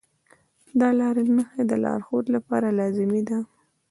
د لارې نښې د لارښود لپاره لازمي دي.